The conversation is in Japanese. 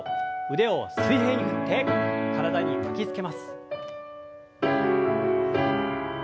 腕を水平に振って体に巻きつけます。